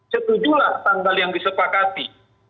setujulah tanggal yang disepakati